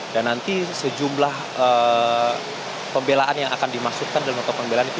dan nanti sejumlah pembelaan yang akan dimasukkan dalam nota pembelaan itu